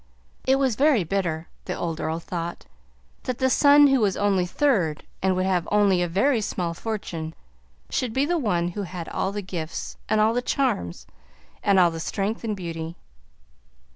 It was very bitter, the old Earl thought, that the son who was only third, and would have only a very small fortune, should be the one who had all the gifts, and all the charms, and all the strength and beauty.